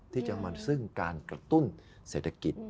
ที่จะมาซึ่งการกระตุ้นเศรษฐกิจ